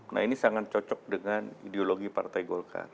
nah ini sangat cocok dengan ideologi partai golkar